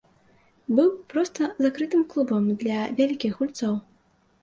Быў проста закрытым клубам для вялікіх гульцоў.